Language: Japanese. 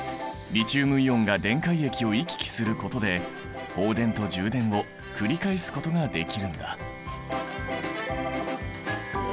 リチウムイオンが電解液を行き来することで放電と充電を繰り返すことができるんだ。